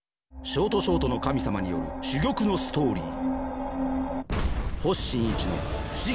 ショートショートの神様による珠玉のストーリー。